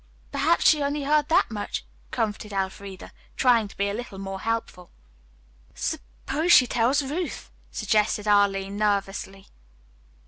"Perhaps she only heard that much," comforted Elfreda, trying to be a little more hopeful. "Suppose she tells Ruth," suggested Arline nervously.